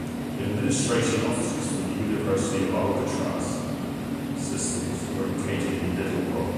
The administrative offices for the University of Arkansas System are located in Little Rock.